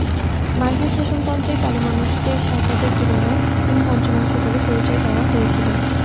মার্কিন শাসনতন্ত্রেই কালো মানুষদের সাদাদের তুলনায় তিন-পঞ্চমাংশ বলে পরিচয় দেওয়া হয়েছিল।